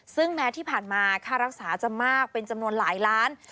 ซึ่งแม้ที่ผ่านมาค่ารักษาจะมากเป็นจำนวนหลายล้าน